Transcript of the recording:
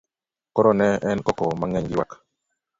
koro ne en koko mang'eny gi ywak